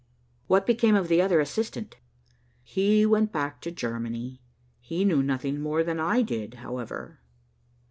"What became of the other assistant?" "He went back to Germany. He knew nothing more than I did, however."